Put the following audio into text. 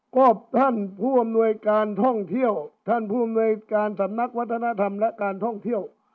ก็ท่านผู้อำนวยการท่องเที่ยวท่านผู้อำนวยการสำนักวัฒนธรรมและการท่องเที่ยว